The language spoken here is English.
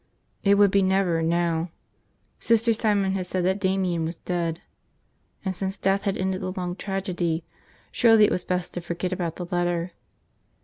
It would be never, now. Sister Simon had said that Damian was dead. And since death had ended the long tragedy, surely it was best to forget about the letter.